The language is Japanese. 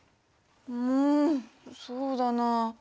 うんそうだな。